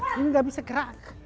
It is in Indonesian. ini nggak bisa terak